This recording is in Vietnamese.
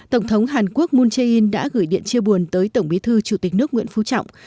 tổng thống hàn quốc moon jae in đã gửi điện chia buồn tới tổng bí thư chủ tịch nước nguyễn phú trọng